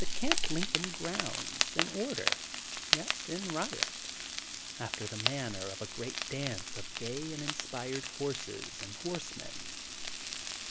Camp Lincoln grounds, in order, yet in riot, after the manner of a great dance of gay and inspired horses and horsemen.